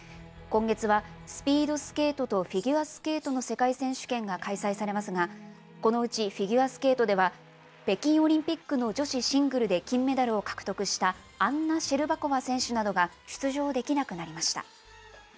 今月は、スピードスケートとフィギュアスケートの世界選手権が開催されますが、このうち、フィギュアスケートでは、北京オリンピックの女子シングルで金メダルを獲得した、アンナ・シェルバコワ選手などが出場できなくなりました。